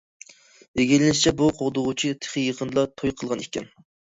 ئىگىلىنىشىچە، بۇ قوغدىغۇچى تېخى يېقىندىلا توي قىلغان ئىكەن.